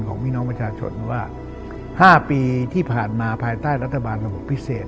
ต้องมีความรู้ว่า๕ปีที่ผ่านมาภายใต้รัฐบาลระหกพิเศษ